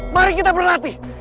mari kita berlatih